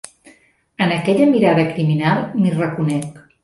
En aquella mirada criminal m'hi reconec.